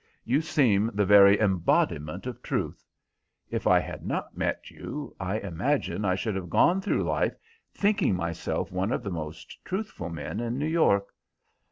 You seem the very embodiment of truth. If I had not met you, I imagine I should have gone through life thinking myself one of the most truthful men in New York."